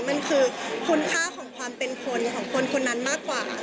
มันคือคุณค่าของความเป็นคนของคนคนนั้นมากกว่า